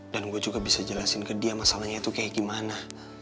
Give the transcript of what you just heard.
dan gue juga bisa jelasin ke dia masalahnya itu kayak gimana